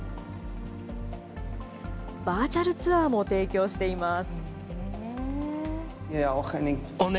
バーチャルツアーも提供しています。